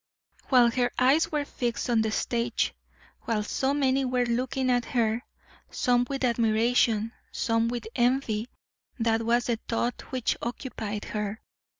While her eyes were fixed on the stage, while so many were looking at her, some with admiration, some with envy, that was the thought which occupied her.